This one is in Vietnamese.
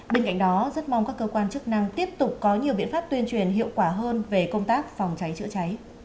bên cạnh đó rất mong các cơ quan chức năng tiếp tục có nhiều biện pháp tuyên truyền hiệu quả hơn về công tác phòng cháy chữa cháy